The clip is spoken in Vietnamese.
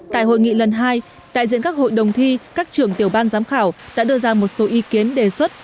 tại hội nghị lần hai tại diễn các hội đồng thi các trưởng tiểu ban giám khảo đã đưa ra một số ý kiến đề xuất